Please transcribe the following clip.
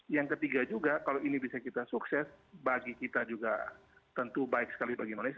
yang ketiga juga kalau ini bisa kita sukses bagi kita juga tentu baik sekali bagi indonesia